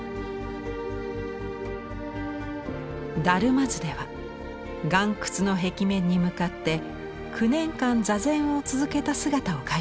「達磨図」では岩窟の壁面に向かって９年間座禅を続けた姿を描いています。